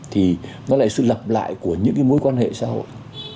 thì nó lại sự lặp lại của những cái mối quan hệ xã hội